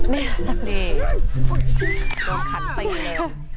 นี่โดนขันตีเลย